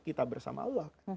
kita bersama allah